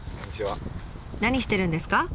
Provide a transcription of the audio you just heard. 何してるんですか？